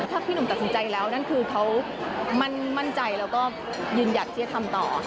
ถ้าพี่หนุ่มตัดสินใจแล้วนั่นคือเขามั่นใจแล้วก็ยืนหยัดที่จะทำต่อค่ะ